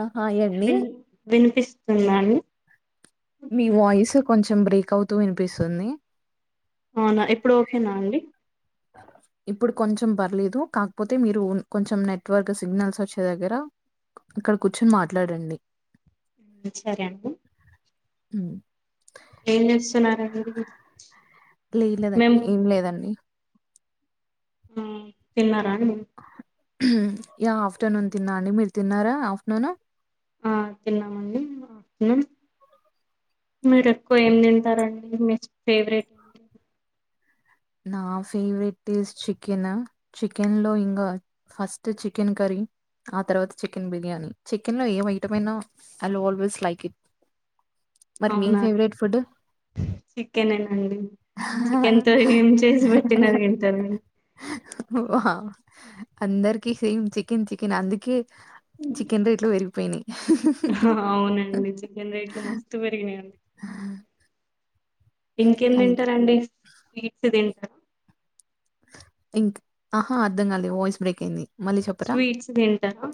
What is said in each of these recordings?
ఆ హాయ్ అండి విన్ వినిపిస్తున్నా అండి మీ వాయిస్ కొంచెం బ్రేక్ అవుతూ వినిపిస్తుంది అవునా ఇప్పుడు [inaudible] ఇప్పుడు కొంచెం పర్లేదు కాకపోతే మీరు కొంచెం నెట్వర్క్ సిగ్నల్స్ వచ్చే దగ్గర అక్కడ కూర్చొని మాట్లాడండి [inaudible] ఏం చేస్తున్నారండి [inaudible] లేదులేదండి మేము ఏం లేదండి హ్మ్ తిన్నారా యా ఆఫ్టర్నూన్ తిన్నా అండి మీరు తిన్నారా ఆఫ్టర్నూన్ ఆ తిన్నామండి ఆఫ్టర్నూన్ మీరు ఎక్కువ ఏం తింటారండి ఫేవరెట్ నా ఫేవరెట్ ఇస్ చికెను చికెన్ లో ఇంకా ఫస్ట్ చికెన్ కర్రీ ఆ తర్వాత చికెన్ బిర్యానీ చికెన్ లో ఏం ఐటం అయినా I will always like it మరి మీ అవునా ఫెవరెట్ ఫుడ్ చికెనేనండి చికెన్ తో ఏం హా చేసి పెట్టినా తింటారండి హా వామ్మో అందరికి సేమ్ చికెన్ చికెన్ అందుకే చికెన్ రేట్లు పెరిగిపోయినాయి అవునండి చికెన్ రేట్లు మస్తు పెరిగినాయి అండి ఇంకేం అయి తింటారంండి స్వీట్స్ తిం ఇం ఆహా అర్థం కాలే వాయిస్ బ్రేక్ అయింది మళ్ళీ చెప్పరా? స్వీట్స్ దింటారా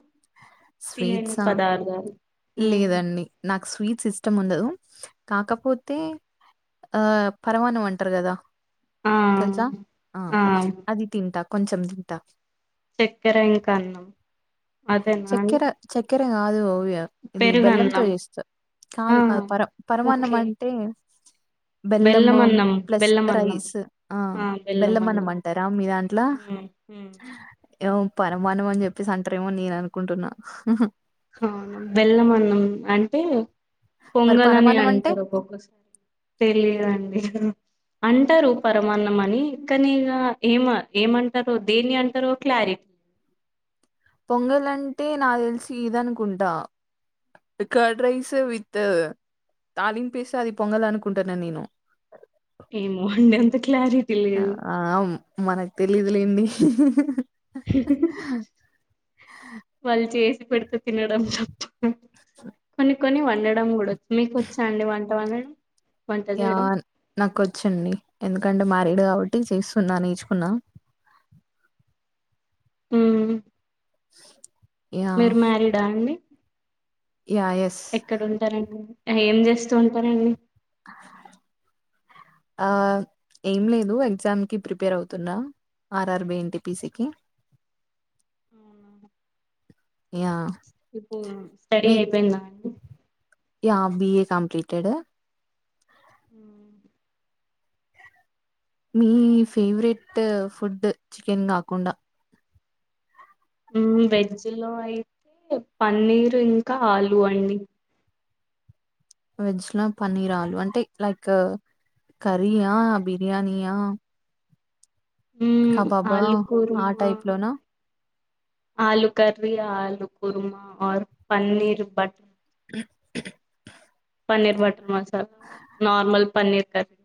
స్వీట్సా మ్మ్. లేదండి నాకు స్వీట్ ఇస్టమ్ ఉండదు కాకపోతే ఆ పరవణ్ణం అంటారు కదా ఆ తెలుసా ఆ అది తింటా కొంచెం తింటా చక్కెర ఇంకా అన్నం అదేనా అండి చక్కెర చక్కెరె కాదు ఇది బెల్లంతో పెరుగన్నం చేస్త ఆ కాదు కాదు పర పరమాన్నం ఓకే అంటే బెల్లం అన్నం ప్లస్ బెల్లం అన్నం రైస్ ఆ బెల్లం అనమంటారా మీ దాంట్లో హ్మ్ హ్మ్ ఏ పరమాన్నం అని చెప్పేసి అంటారెమో అని నేను అనుకుంటున్నా అవున బెల్లమన్నం అంటే మరి పొంగల్ అని పరమాన్నం అంటే అంటారు ఒక్కొక్కసారి తెలియదండి అంటారు పరమాన్నం అని కానీ ఇగా ఏమ ఏమంటారు దేని అంటారో క్లా [inaudible] పొంగలంటే నాక్ తెలిసి ఇదనుకుంటా కడ్ రైస్ విత్ తాలింపేసి అది పొంగాల్ అనుకుంటాన నేను ఏమో అండి అంత క్లారిటీ లేదు ఆ మనకు తెలీదులేండి వాళ్ళు చేసి పెడుతే తినడం తప్ప స కని వండడం కూడాడ మీకు వచ్చా అండి వంట వండడం వంట యా చేయడం నాకుచ్చిడి ఎందుకంటే మా డు కాబట్టి చేస్తున్నా నేర్చుకున్నా హ యా మీరు మ్యారీడా అండి యా ఎస్ ఎక్కడ ఉంటారండి ఏం చేస్తూ ఉంటారండి ఆ ఏం లేదు ఎగ్జామ్ కి ప్రిపేర్ అవుతున్నా R RB N T PC కి అవునా. యా ఇప్పుడు స్టడీ అయిపోయిందా అండి యః బీఏ కంప్లీటెడ్ ఉ మీ ఫేవరెట్ ఫుడ్ చికెన్ కాకుండా వెజ్ లో అయితే పన్నీర్ ఇంకా ఆలు అండి వెజ్ లో పన్నీర్ ఆలు అంటే లైక్ కర్రీ ఆ బిర్యానీ యా ఉ ఆ ఆలుకురుమా టైప్ లోనా ఆలూ కర్రీ ఆలూ korma or paneer butter paneer butter masala normal paneer curry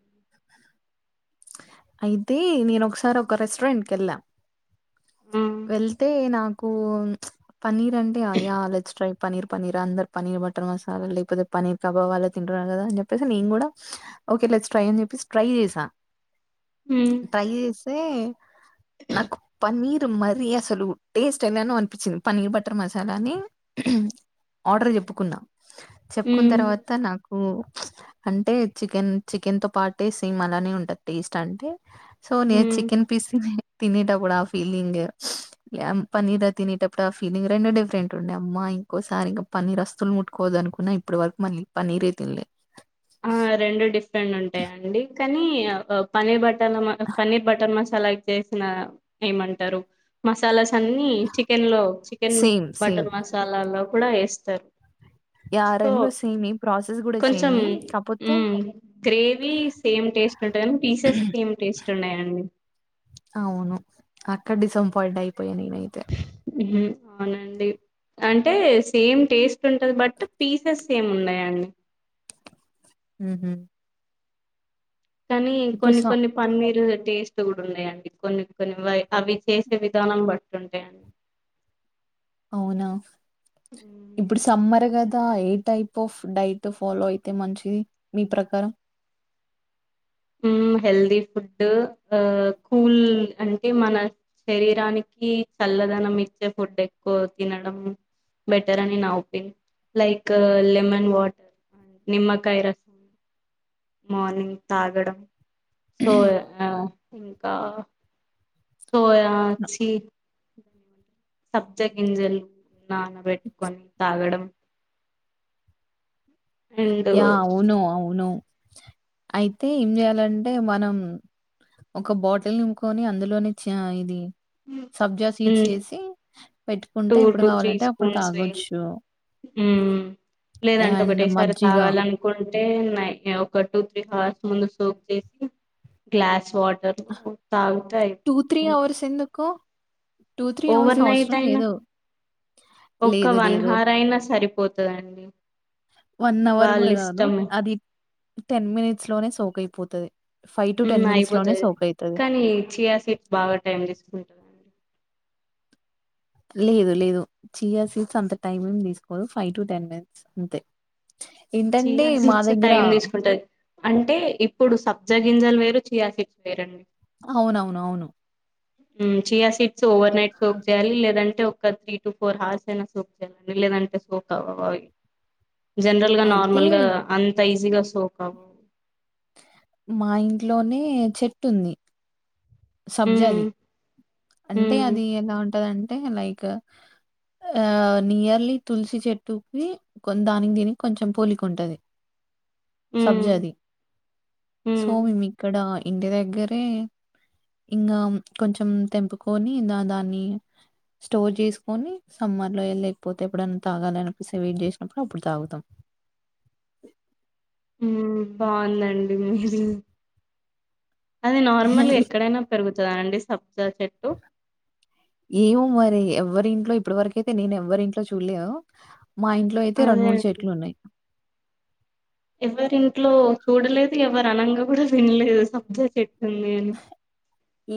అయితే నేను ఒకసారి ఒక రెస్టారెంట్కి వెళ్ళాం మ్మ్ వెళ్తే నాకు ఇ పన్నీర్ అంటే ఆయ అల పన్నీర్ పన్నీర్ యః పన్నీర్ బట్టర్ మసాలా అనీ ప్రభావాల్లో తింటున్నారు కదా అని చెప్పేసి నేను కూడా ఓకేలే ట్రై అని చెప్పేసి ట్రై చేసా మ్మ్ ట్రై చేస్తే నాకు పన్నీర్ మరీ అసలు టేస్ట్ ఎలానో అనిపించింది పనీర్ బటర్ మసాలాని ఆర్డర్ చెప్పుకున్నా చెప్పుకున్న మ్మ్ తర్వాత నాకు అంటే చికెన్ చికెన్ తో పాటే సేమ్ అలానే ఉంటది టేస్ట్ అంటే సో నే మ్మ్ చికెన్ పీస్ తినేటప్పుడు ఆ ఫీలింగ్ పన్నీర్ తినేటప్పుడు ఆ ఫీలింగ్ రెండు డిఫరెంట్ ఉండే అమ్మా ఇంకోసారి ఇంకా పన్నీర్ అసలు ముట్కోవదు అనుకున్నా ఇప్పటి వరకు మళ్లీ పన్నీరే తినలే ఆ రెండు డిఫరెంట్ ఉంటాయండి కానీ పన్నీర్ బట్ట ర పన్నీర్ బట్టర్ మసాలా కి చేసిన ఏం అంటారు అన్ని చికెన్ లో చికెన్ సేమ్ సేమ్ బటర్ మసాలాలో కూడా వేస్తారు సో రెండు సేమి ప్రాసెస్ కూడా కొంచెం సేమె గ్రేవీ సేమ్ టేస్ట్ ఉంటాది కానీ పీసెస్ సేమ్ టేస్ట్ ఉండయండి అవును అక్కడ డిసప్పయింట్ అయిపోయా నేనైతే హూ అవున అండి అంటే సేమ్ టేస్ట్ ఉంటుంది బట్ పీసెస్ సేమ్ ఉండయండి ఉహు కానీ ఇప్పుడు కొన్ని స కొన్ని పన్నీరు టేస్ట్ కుడ ఉండయండి కొన్ని కొన్ని అవి చేసే విధానం బట్టి ఉంటయండి అవునా ఇప్పుడు సమ్మర్ కద ఇ ఏ టైప్ ఆఫ్ డైట్ ఫాలో అయితే మంచిది మీ ప్రకారం హెల్దీ ఫుడ్ ఆ కూల్ అంటే మన శరీరానికి చల్లదనం ఇచ్చే ఫుడ్ ఎక్కువ తినడం బెటర్ అనీ నా ఒపీనియన్ లైక్ లెమన్ వోటర్ నిమ్మకాయ రసం మార్నింగ్ తాగడం సో ఇంకా సోయా చీ సబ్జా గింజలు నానబెట్టుకొని తాగడం అండ్ యా అవును అవును అయితే ఏం చేయాలంటే మనం ఒక బాటిల్ నిపుకొని అందులో నుంచి ఇది సబ్జా సీడ్స్ పెట్టుకుంటే టూ ఎప్పుడు కావాలంటే అప్పుడు తాగవచ్చు ఉ లేదంటే ఒకటేసారి మజ్జిగ కావాలనుకుంటే నైట్ ఒక టూ త్రీ హవర్స్ ముందు సోప్ చేసి గ్లాస్ వాటర్ తాగితే టూ త్రీ అయిపోతది అవర్స్ ఎందుకు టూ త్రీ అవర్స్ అవసరం లేదు ఒక లేదు వన్ లేదు హర్ అయినా సరిపోతుందండి వన్ అవర్ కూడా కాదు అది టెన్ మినిట్స్ లోనే సోప్ అయిపోతుంది ఉ అయిపోతది కానీ చియా సీడ్స్ బాగా టైం తీసుకుంటుది లేదు లేదు చీయా సీట్స్ అంత టైం ఏం తీసుకోదు ఫైవ్ టు టెన్ మినిట్స్ అంతే ఏంటంటే సియా మా సీడ్స్ దగ్గర టైం తీసుకుంటది అంటే ఇప్పుడు సబ్జగింజాలు చియా సీడ్స్ వేరండి అవునవును అవును chia seeds over night soak చేయాలి లేదంటే ఒక త్రీ టు ఫోర్ హవార్స్ అయినా సోప్ చేయాల లేదంటే సోప్ అవ్వవు అవి జనరల్ గా అయితే నార్మల్గా అంత ఈజీగా సోప్ అవ్వవు మా ఇంట్లోనే చెట్టుంది సబ్జ లు అది హ్మ్ అంటే హ్మ్ అది ఎలా ఉంటందింటే లైక్ ఆ నియర్లీ తులసి చెట్టుకి దానికి దీనికి కొంచెం పోలిక ఉంటుంది హ్మ్ సబ్జది సో హ్మ్ మేము ఇక్కడ ఇంటి దగ్గరే ఇంకా కొంచెం తెంపుకొని ద దాన్ని స్టోర్ చేసుకొని సమ్మర్లో లేకపోతే ఎప్పుడైనా తాగా అనిపిస్తే వెడి చేసినప్పుడు అప్పుడు తాగుతాం బాగుందండి మీది అది నార్మల్ ఎక్కడైనా పెరుగుతుద పెరుగుతాద అండి చెట్టు? ఏమో మరి ఎవరి ఇంట్లో ఇప్పుటి వరకయితే నేను ఎవ్వరి ఇంట్లో చూడలేవు మా ఇంట్లో అయితే రెండు అదే మూడు చెట్లు ఉన్నాయి ఎవరి ఇంట్లో చూడలేదు ఎవరు అనంగా కూడా వినలేదు సబ్జా చెట్టు తినలేదు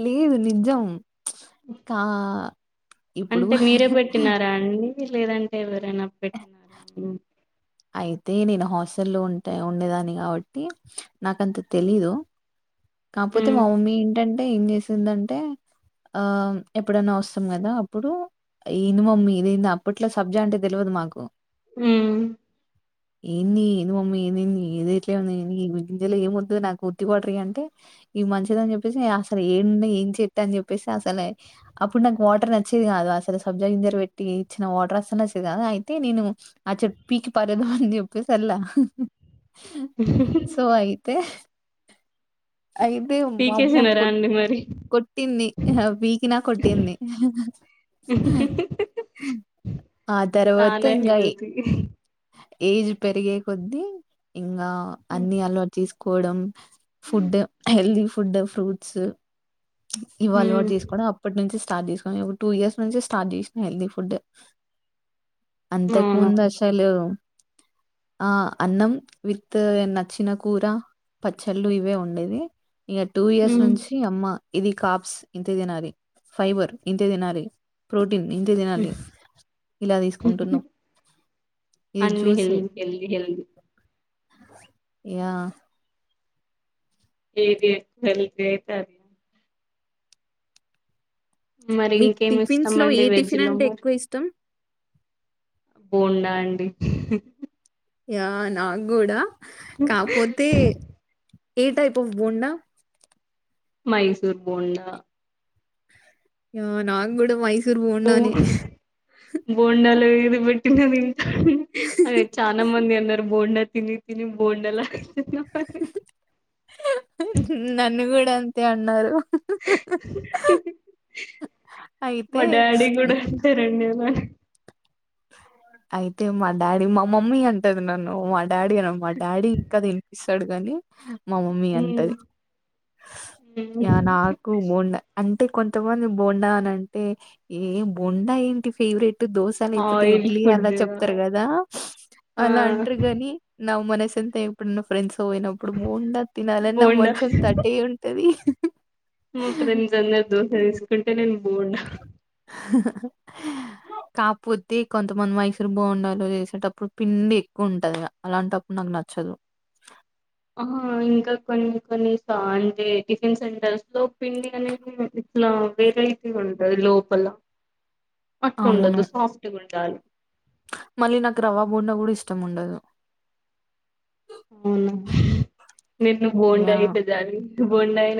లేదు నిజం ఆ ఇప్పుడు అంటే మీరే పెట్టినారా అండి? లేదంటే ఎవరైనా పెట్టినారా అయితే నేను హాస్టల్లో ఉంటా ఉండేదాన్ని కాబట్టి నాకంత తెలీదు కాకపోతే హ్మ్. మా మమ్మీ ఏంటంటే ఏం చేసిందంటే ఆ ఎప్పుడైన్నా వస్తాం కదా అప్పుడు లేదు మమ్మీ అప్పట్లో సబ్జా అంటే తెలియదు మాకు హ ఏంది ఏంది మమ్మీ ఏంటి ఏమవుతు నాకు ఒత్తి వాటర్ ఇఈ అంటే ఇవి మంచిద అని చెప్పేసి అసలు ఏండ ఏం చెట్ట అని చెప్పేసి అసలే అప్పుడు నాకు వాటర్ నచ్చిది కాదు అసలు సబ్జా గింజలు పెట్టి ఇచ్చిన వాటర్ నచ్చేది కాదు అయితే నేను ఆ చెట్టు పీకి పారేద్దాం అనుకున్న అంద ఉప్పస్ల సో అయితే అయితే మా అమ్మ పీకేసినారా అండి మరి? కొట్టింది వీకిిన కొట్టింది ఆ తర్వాత ఇంకాఈ ఉ ఏజ్ పెరిగే కొద్దీ ఇంకా అన్ని అలవాటు తీసుకోవడం ఫుడ్ హెల్దీ ఫుడ్ ఫ్రూట్స్ ఇవి అలవాటు హ్మ్. చేసుకోడం అప్పటి నుంచి స్టార్ట్ చేసుకొని టూ ఇయర్స్ నుంచి స్టార్ట్ చేసినా హెల్దీ ఫుడ్ అంతకు అవునా ముందు అసలు ఆ అన్నం విత్ నచ్చిన కూర పచ్చ ఇవే ఉండేది ఇగా టూ ఇయర్స్ హ్మ్ నుంచి అమ్మ ఇది కాప్స్ ఇంతే తినాలి ఫైబర్ ఇంతే తినాలి ప్రో ఇంతే తినాలి ఇలా తీసుకుంటున్నాం. ఇది అన్నీ హెల్ది హెల్ది హెల్ది యా ఏది హెల్ది అయితే అది మరి మీకు ఇంకేమి టిఫిన్స్‌లో ఏ ఇష్టమండి టిఫిన్ వెజ్లో అంటే మరి ఎక్కువ ఇష్టం? బోండా అండి. యా నాకు కూడా కాపోతే ఏ టైప్ ఆఫ్ బోండా మైసూర్ బోండా ఆ నా గూడా మైసూర్ బో బోండానే. బోండాలు ఎన్ని పెట్టిన తింటా అదే చానా మంది అన్నారు బోండా తిని తిని బోండాలా అయితున్నావని నన్ను గుడా అంతే అన్నారు. [inaudible] మా అయితే డాడీ కూడా హ్మ్. అంటారండి అలాగా అయితే మా డాడీ మా మమ్మీ అంటాది నన్ను డాడీ అన మా డాడీ ఇంకా తినిపిస్తాడు గాని మా మమ్మీ హ్మ్ అంటది నాకు బోండా అంటే కొంతమంది బొండా అని అంటే ఏ బొండా ఏంటి ఫేవరెట్ దోస ఆయిల్ ఇడ్లీ అలా ఫుడ్ చెప్తారు కదా ఆ అలా అంటారు కానీ మనసు ఎంత ఎప్పుడున్న ఫ్రెండ్స్ పోయినప్పుడు బోండా తినాలని నా బోండా మనసంతా అటే ఉంటది. మా ఫ్రెండ్స్ అందరు దోస తీసుకుంటే నేను బోండా [inaudible] కాపోతే కొంతమంది మైసూర్ బోండా లో చేసేటప్పుడు పిండి ఎక్కువ ఉంటది అలాంటప్పుడు నాకు నచ్చదు [inaudible] ఆ ఇంకా కొన్ని కొన్ని అంటే టిఫిన్ సెంటర్స్ లో పిండి అనే అట్లా వెరైటీగా ఉంటది లోపల అట్లా అవును. ఉండదు సాఫ్ట్గా ఉండాలి. మళ్ళీ నాకు రవ్వ బోండా కూడా ఇష్టం ఉండదు. అవునా నేను బోండా యాహ్! అయితే డైరెక్ట్ బొండాయే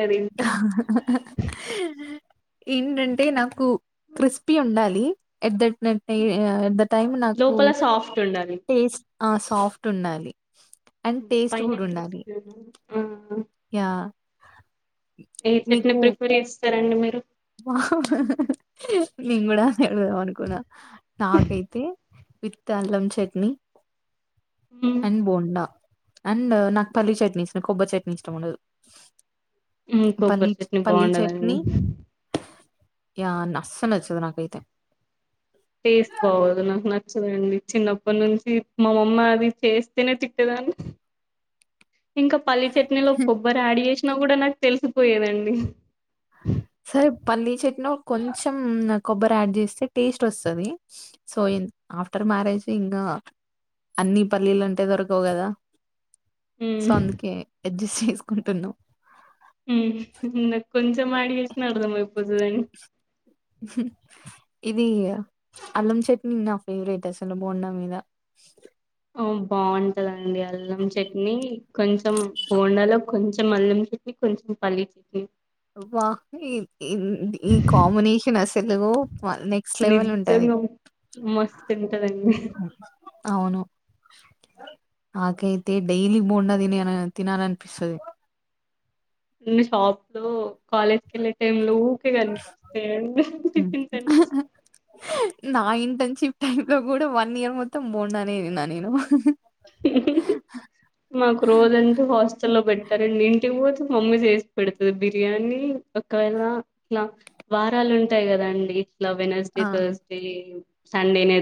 ఏంటంటే నాకు క్రిస్పీ ఉండాలి ఎట్ దట్ ద టైం నాకు లోపల సాఫ్ట్ ఉండాలి టేస్ట్ ఆ సాఫ్ట్ ఉండాలి. అండ్ టేస్ట్ పైన క్రిస్పీ ఆ యా ఏ చట్నీ ప్రిపేర్ చేస్తారండి మీరు నేను కూడా అదే అడుగుదాం అనుకున్నా నాకైతే విత్ అల్లం చట్నీ మ్మ్. అండ్ బోండా అండ్ నాకు పల్లీ చట్నీ ఇష్టము కొబ్బరి చట్నీ ఇష్టం ఉండదు. మ్మ్, పలీ కొబ్బరి చట్నీ పల్లీ చట్నీ బాగుండదండి యా అస్సలు నచ్చదు నాకైతే టేస్ట్ బాగోదు నాకు నచ్చదండి చిన్నప్పటి నుంచి మా అమ్మ అది చేస్తేనే తిట్టేదా అని ఇంకా పల్లి చట్నీలో కొబ్బరి యాడ్ చేసినా కూడా నాకు తెలిసిపోయేదండి సరే పల్లి చట్నీ కొంచెం కొబ్బరి యాడ్ చేస్తే టేస్ట్ వస్తాది సో ఆఫ్టర్ మ్యారేజ్ ఇంగా అన్ని పల్లీలు అంటే దొరకవు కదా సో ఉమ్ అందుకే అడ్జస్ట్ చేసుకుంటున్నాం హ్మ్ ఇంగ కొంచం యాడ్ చేసిన అర్థం అయిపో ఇది అల్లం చట్నీ నా ఫేవరెట్ అసలు బోండా మీద బాగుంటదండి అల్లం చట్నీ కొంచెం బోండాలో కొంచెం అల్లం చట్నీ కొంచెం పల్లి చట్నీ వా ఈ ఈ కాంబినేషన్ అసలు నెక్స్ట్ లెవెల్ ఉంటది నిజంగా మస్తు ఉంటదండి అవును నాకైతే డైలీ బోండా తినేయలి తినాలనిపిస్తది కాలేజ్ కి ఏళ్ళే టైమ్ లో ఊకే కనిపిస్తాయ్ ఊకె హ్మ్. తింటా అనిపిస్త నా ఇంటర్నన్షిప్ టైం లో కూడా వన్ ఇయర్ మొత్తం బొండానే తిన్నా నేను మాకు రోజంటే హాస్టల్ లో పెడతారండి ఇంటికి పోతే మమ్మీ చేసి పెడుతాది బిర్యానీ ఒకవేళ ఇలా వారాలు ఉంటాయి కదండి ఇట్లా వెనస్డే ఆ! థర్స్డే సండేనే